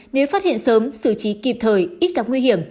nếu phát hiện sớm xử trí kịp thời ít gặp nguy hiểm